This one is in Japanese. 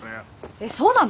えそうなの！？